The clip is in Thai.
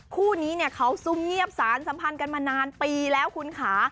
คู่นี้เนี่ยเขาซุ่มเงียบสารสัมพันธ์กันมานานปีแล้วคุณค่ะ